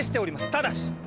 ただし！